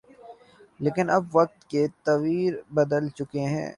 لیکن اب وقت کے تیور بدل چکے ہیں۔